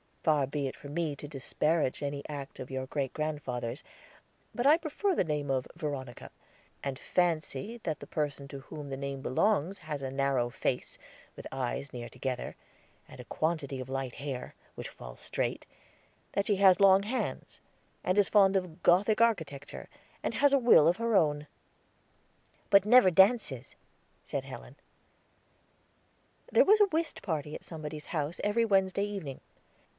Far be it from me to disparage any act of your great grandfather's, but I prefer the name of Veronica, and fancy that the person to whom the name belongs has a narrow face, with eyes near together, and a quantity of light hair, which falls straight; that she has long hands; is fond of Gothic architecture, and has a will of her own." "But never dances," said Helen. There was a whist party at somebody's house every Wednesday evening.